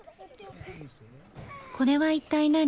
これは一体何？